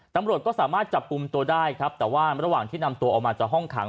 ตำรวจก็สามารถจับกลุ่มตัวได้ครับแต่ว่าระหว่างที่นำตัวออกมาจากห้องขัง